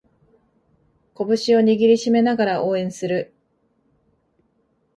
拳を握りしめながら応援する